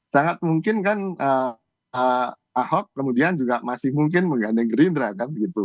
sangat mungkin kan ahok kemudian juga masih mungkin menggandeng gerindra kan begitu